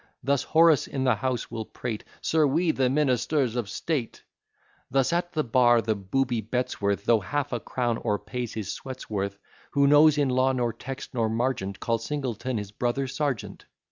Thus Horace in the house will prate, "Sir, we, the ministers of state." Thus at the bar the booby Bettesworth, Though half a crown o'erpays his sweat's worth; Who knows in law nor text nor margent, Calls Singleton his brother sergeant.